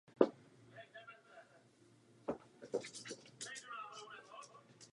Recitace veršů je realizace básnického textu s individuálním tvůrčím podílem interpreta.